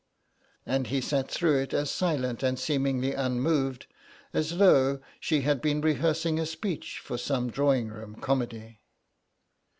And he sat through it as silent and seemingly unmoved as though she had been rehearsing a speech for some drawing room comedy.